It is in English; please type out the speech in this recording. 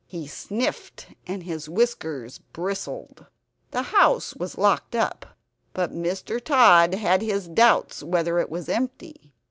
He sniffed and his whiskers bristled. The house was locked up, but Mr. Tod had his doubts whether it was empty.